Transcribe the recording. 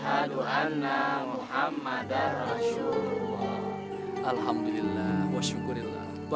aku akan mengalahkanmu dengan kerjaan petir sewa